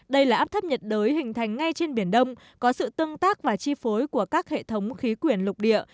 đây là áp thấp nhiệt đới hình thành ngay trên biển đông có sự tương tác và chi phối của các hệ thống khí quyển lục địa